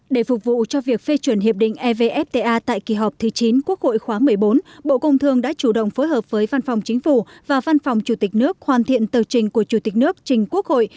để phục vụ cho việc phê chuẩn hiệp định evfta tại kỳ họp thứ chín quốc hội khóa một mươi bốn bộ công thương đã chủ động phối hợp với văn phòng chính phủ và văn phòng chủ tịch nước hoàn thiện tờ trình của chủ tịch nước trình quốc hội